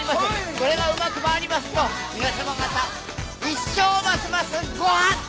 これがうまく回りますと皆様方一生ますますご発展！